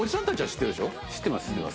知ってます。